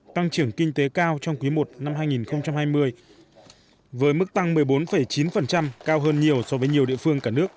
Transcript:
tăng trưởng kinh tế cao trong quý i năm hai nghìn hai mươi với mức tăng một mươi bốn chín cao hơn nhiều so với nhiều địa phương cả nước